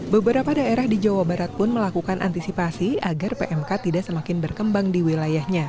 beberapa daerah di jawa barat pun melakukan antisipasi agar pmk tidak semakin berkembang di wilayahnya